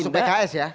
termasuk pks ya